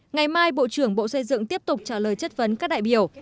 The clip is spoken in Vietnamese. ngày mai bộ trưởng bộ xây dựng tiếp tục trả lời chất vấn các đại biểu